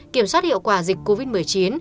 kiểm soát hiệu quả dịch covid một mươi chín